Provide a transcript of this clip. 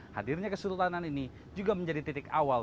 hadirnya kesultanan ini juga menjadi titik awal